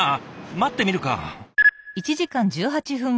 待ってみるか。